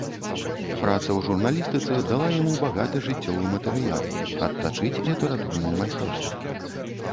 Праца ў журналістыцы дала яму багаты жыццёвы матэрыял, адтачыць літаратурнае майстэрства.